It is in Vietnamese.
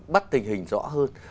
bắt tình hình rõ hơn